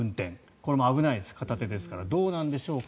これも危ないです、片手ですからどうなんでしょうか。